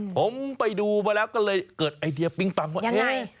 ผมไปดูมาแล้วก็เลยเกิดไอเดียปิ๊งปังว่าเอ๊ะ